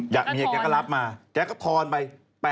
เมียแกก็รับมาแกก็ทอนไป